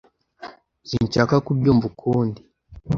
Sinshaka kubyumva ukundi